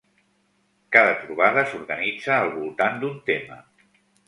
Cada Trobada s’organitza al voltant d’un tema.